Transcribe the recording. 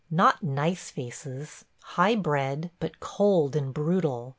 Not nice faces; high bred, but cold and brutal.